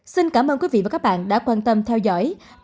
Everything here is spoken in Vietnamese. xin cảm ơn quý vị và các bạn đã quan tâm theo dõi